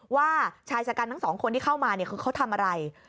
ว่าชายสการทั้ง๒คนที่เข้ามาเขาทำอะไร